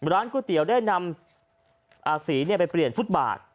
ร้านก๋วยเตี๋ยวได้นำสีไปเปลี่ยนฟุตบาท